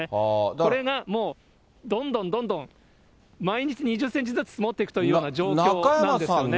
これがもうどんどんどんどん、毎日２０センチずつ積もっていくという状況なんですね。